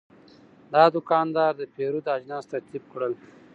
دا دوکاندار د پیرود اجناس ترتیب کړل.